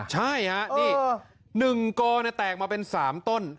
ใช่ฮะนี่๑กแตกมาเป็น๓ต้น